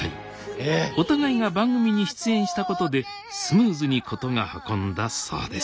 お互いが番組に出演したことでスムーズに事が運んだそうです